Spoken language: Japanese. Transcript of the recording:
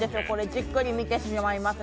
じっくり見てしまいます。